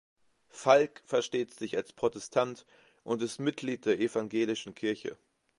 Falk versteht sich als Protestant und ist Mitglied der Evangelischen Kirche.